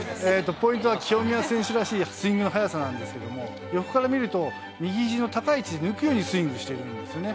ポイントは清宮選手らしいスイングの速さなんですけど、横から見ると、右ひじの高い位置で抜くようにスイングしているんですよね。